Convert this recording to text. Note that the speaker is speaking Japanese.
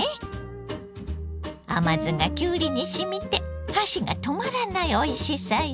甘酢がきゅうりにしみて箸が止まらないおいしさよ。